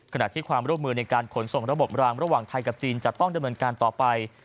ขณะที่ความร่วมมือในการขนส่งระบบรางระหว่างไทยกับจีนจะต้องดำเนินการต่อไป